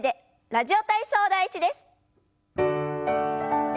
「ラジオ体操第１」です。